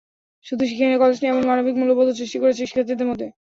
শুধু শিক্ষাই নয়, কলেজটি এমন মানবিক মূল্যবোধও সৃষ্টি করেছে শিক্ষার্থীদের মধ্যে।